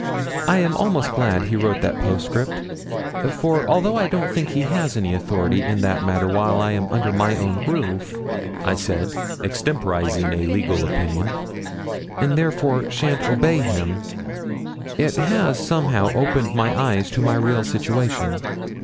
'I am almost glad he wrote that postscript; for although I don't think he has any authority in that matter while I am under my own roof,' I said, extemporising a legal opinion, 'and, therefore, shan't obey him, it has somehow opened my eyes to my real situation.'